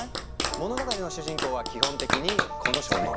物語の主人公は基本的にこの少年！